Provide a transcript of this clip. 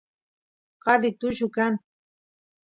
qari tullu kan